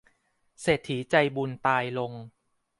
เศรษฐีใจบุญตายลง